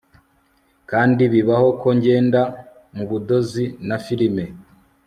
Kandi bibaho ko ngenda mubudozi na firime